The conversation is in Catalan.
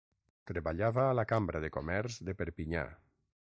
Treballava a la Cambra de Comerç de Perpinyà.